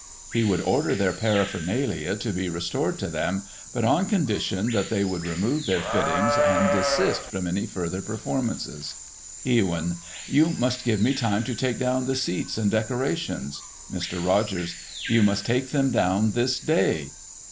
He would order their paraphernalia to be restored to them, but, on condition that they would remove their fittings, and desist from any future performances. Ewyn: You must give me time to take down the seats and decorations. Mr. Rogers : You must take them down this day.